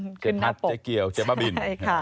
เจ๊พัดเจ๊เกียวเจ๊บ้าบิน